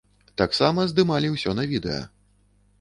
Таксама здымалі ўсё на відэа.